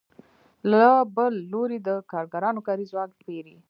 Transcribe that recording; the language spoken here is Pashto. له بل لوري د کارګرانو کاري ځواک پېري